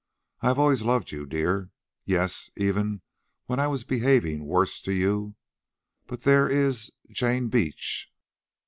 I have always loved you, dear, yes, even when I was behaving worst to you; but there is—Jane Beach!"